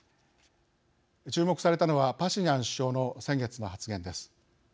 注目されたのはパシニャン首相の先月の発言です。